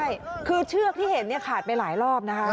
ใช่คือเชือกที่เห็นขาดไปหลายรอบ